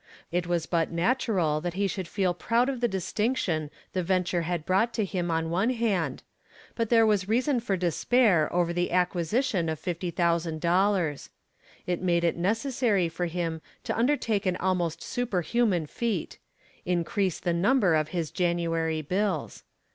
It was but natural that he should feel proud of the distinction the venture had brought to him on one hand, but there was reason for despair over the acquisition of $50,000. It made it necessary for him to undertake an almost superhuman feat increase the number of his January bills.